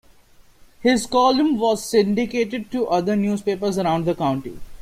His column was syndicated to other newspapers around the country.